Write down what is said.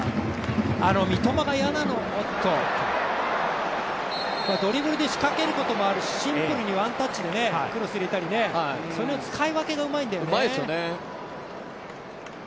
三笘が嫌なのはドリブルで仕掛けることもあるしシンプルにワンタッチでクロスを入れたりねそれの使い分けがうまいんだよね。